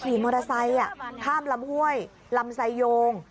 ขี่มอเตอร์ไซค์ข้ามลำห้วยลำไซโยง